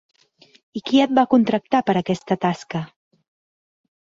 I qui et va contractar per a aquesta tasca?